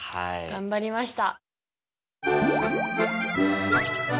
頑張りました。